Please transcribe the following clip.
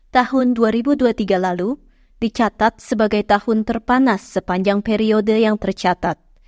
tahun dua ribu dua puluh tiga lalu dicatat sebagai tahun terpanas sepanjang periode yang tercatat